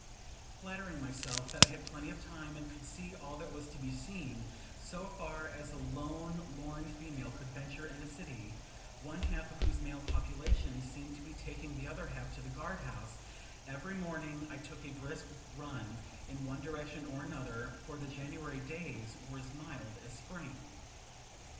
Flattering myself that I had plenty of time, and could see all that was to be seen, so far as a lone lorn female could venture in a city, one half of whose male population seemed to be taking the other half to the guard house, every morning I took a brisk run in one direction or another; for the January days were as mild as Spring.